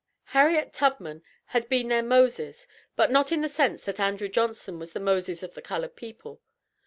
HARRIET TUBMAN had been their "Moses," but not in the sense that Andrew Johnson was the "Moses of the colored people."